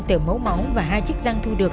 từ mẫu máu và hai chiếc răng thu được